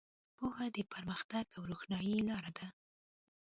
پوهه د پرمختګ او روښنایۍ لاره ده.